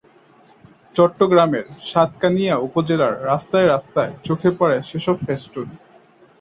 চট্টগ্রামের সাতকানিয়া উপজেলার রাস্তায় রাস্তায় চোখে পড়ে সেসব ফেস্টুন।